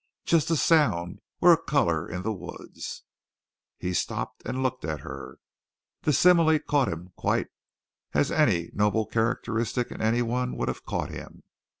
Just a sound, or a color in the woods." He stopped and looked at her. The simile caught him quite as any notable characteristic in anyone would have caught him.